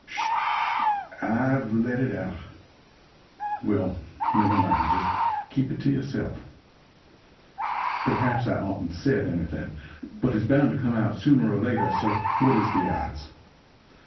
"Sh! I've let it out! Well, never mind just keep it to yourself. Perhaps I oughtn't said anything, but its bound to come out sooner or later, so what is the odds?